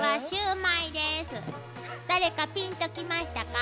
誰かピンときましたか？